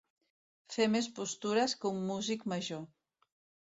Fer més postures que un músic major.